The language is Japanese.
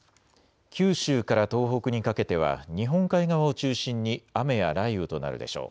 九州から東北にかけては日本海側を中心に雨や雷雨となるでしょう。